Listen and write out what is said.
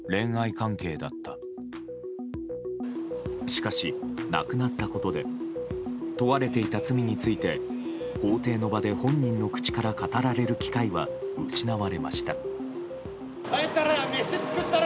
しかし、亡くなったことで問われていた罪について法廷の場で本人の口から語られる機会は失われました。